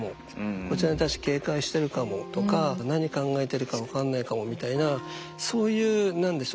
「こちらに対して警戒してるかも」とか「何考えてるか分かんないかも」みたいなそういう何でしょう